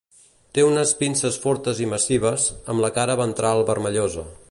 Té unes pinces fortes i massives, amb la cara ventral vermellosa.